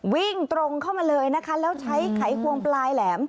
วิ่งตรงเข้ามาเลยนะคะแล้วใช้ไขควงปลายแหลม